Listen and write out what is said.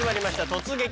「突撃！